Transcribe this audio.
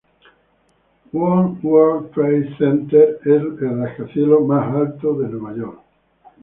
One World Trade Center es el rascacielos más alto de Nueva York.